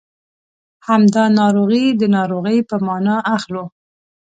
همدا ناروغي د ناروغۍ په مانا اخلو.